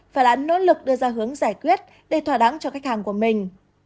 và đã nỗ lực đưa ra hướng giải quyết để thỏa đắng cho khách hàng của mình